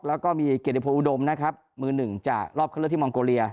แล้วก็มีเกียรติโพอุดมนะครับมือหนึ่งจากรอบเข้าเลือกที่มองโกเลีย